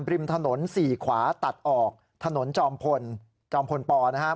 ริมถนนสี่ขวาตัดออกถนนจอมพลจอมพลปนะครับ